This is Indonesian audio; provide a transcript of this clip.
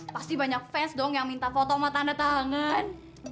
pasti banyak fans dong yang minta foto sama tanda tangan